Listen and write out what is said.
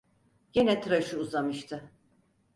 Gene tıraşı uzamıştı.